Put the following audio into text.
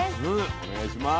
お願いします。